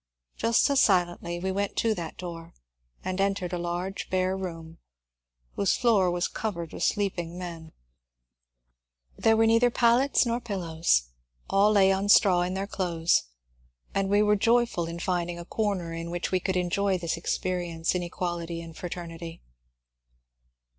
Just as silently we went to that door and entered a large bare room, whose floor was covered with sleeping men. There were neither pallets nor pillows ; all lay on straw in THE PANGS OF WAR 243 their clothes, and we were joyful in finding a corner in which we could enjoy this experience in equality and fraternity.